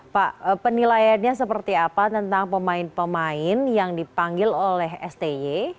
pak penilaiannya seperti apa tentang pemain pemain yang dipanggil oleh sty